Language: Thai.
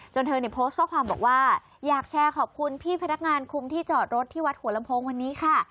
เธอเนี่ยโพสต์ข้อความบอกว่าอยากแชร์ขอบคุณพี่พนักงานคุมที่จอดรถที่วัดหัวลำโพงวันนี้ค่ะ